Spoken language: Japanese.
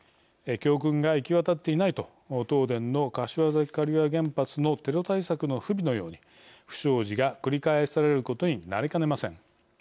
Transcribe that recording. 教訓が行き渡っていないと東電の柏崎刈羽原発のテロ対策の不備のように不祥事が繰り返されることになりかねません。